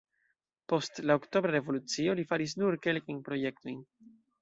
Post la Oktobra revolucio li faris nur kelkajn projektojn.